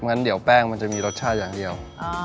งั้นเดี๋ยวแป้งมันจะมีรสชาติอย่างเดียว